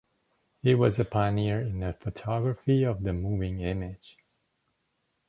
He was a pioneer in the photography of the moving image.